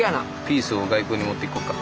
ピースを外国に持っていこうか。